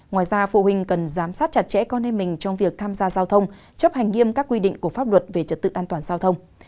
ngoài ra phụ huynh cần giám sát chặt chẽ con em mình trong việc tham gia giao thông chấp hành nghiêm các quy định của pháp luật về trật tự an toàn giao thông